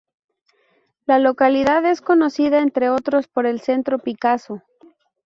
La localidad es conocida entre otros por el Centro Picasso.